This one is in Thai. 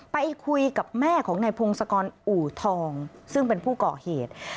ไปคุยกับแม่ของนายพงศกรอู่ทองซึ่งเป็นผู้ก่อเหตุ